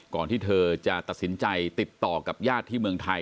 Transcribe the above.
ที่เธอจะตัดสินใจติดต่อกับญาติที่เมืองไทย